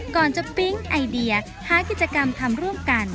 ก่อนจะปิ๊งไอเดียหากิจกรรมทำร่วมกัน